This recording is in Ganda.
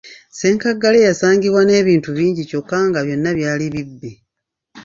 Ssenkaggale yasangibwa n’ebintu bingi kyokka nga byonna byali bibbe.